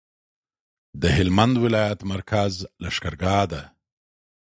د هلمند ولایت مرکز لښکرګاه ده